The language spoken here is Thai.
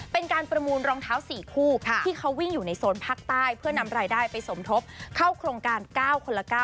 เป็นการประมูลรองเท้า๔คู่ที่เขาวิ่งอยู่ในโซนภาคใต้เพื่อนำรายได้ไปสมทบเข้าโครงการ๙คนละ๙